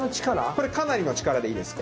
これかなりの力でいいですね。